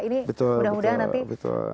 ini mudah mudahan nanti